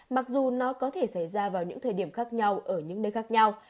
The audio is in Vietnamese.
mặc dù nó có thể xảy ra vào những thời điểm khác nhau ở những nơi khác nhau